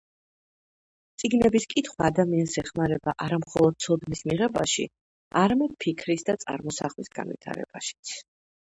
წიგნების კითხვა ადამიანს ეხმარება არა მხოლოდ ცოდნის მიღებაში, არამედ ფიქრის და წარმოსახვის განვითარებაშიც.